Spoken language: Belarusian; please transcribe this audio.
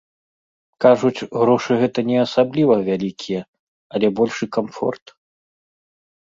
Кажуць, грошы гэта не асабліва вялікія, але большы камфорт.